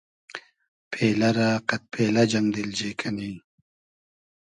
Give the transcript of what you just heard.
پېلۂ رۂ قئد پېلۂ جئنگ دیلجی کئنی